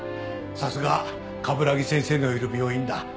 さすが鏑木先生のいる病院だ。